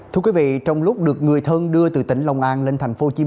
thưa quý vị trong lúc được người thân đưa từ tỉnh lòng an lên thành phố hồ chí minh